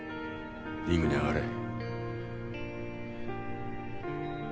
リングに上がれ。